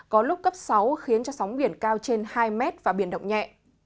có lúc cấp sáu khiến cho sóng biển cao trên hai mét và biển động nhẹ